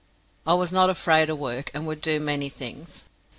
I was not afraid of work, and would do many things.